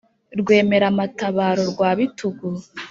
rwemera-matabaro rwa bitugu